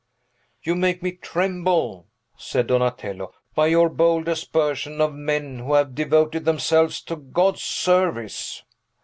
"You make me tremble," said Donatello, "by your bold aspersion of men who have devoted themselves to God's service!"